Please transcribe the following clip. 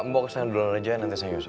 bawa kesana dulu aja nanti saya nyusul